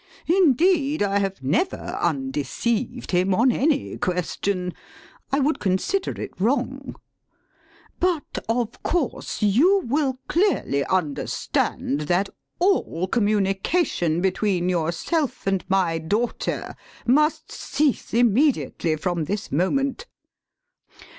Indeed I have never undeceived him on any question. I would consider it wrong. But of course, you will clearly understand that all communication between yourself and my daughter must cease immediately from this moment.